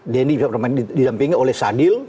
dendy bisa bermain di sampingnya oleh sadil